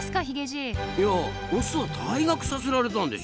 いやオスは退学させられたんでしょ？